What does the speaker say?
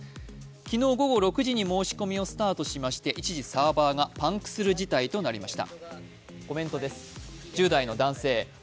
昨日午後６時に申し込みをスタートし、一時サーバーがパンクする事態になりました。